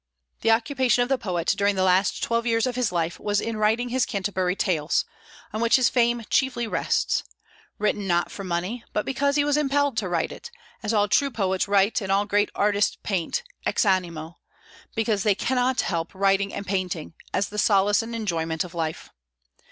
The occupation of the poet during the last twelve years of his life was in writing his "Canterbury Tales," on which his fame chiefly rests; written not for money, but because he was impelled to write it, as all true poets write and all great artists paint, ex animo, because they cannot help writing and painting, as the solace and enjoyment of life.